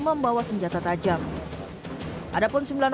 di merdeka frejman merode berita sampai ke mereka